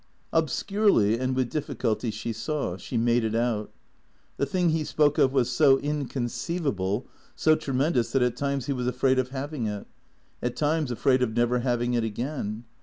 Obscurely and with difficulty she saw, she made it out. The thing he spoke of was so inconceivable, so tremendous that at times he was afraid of having it, at times afraid of never having it again.